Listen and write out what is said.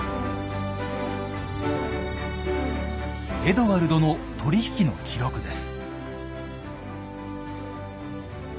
エドワルドの取り引きの記録です。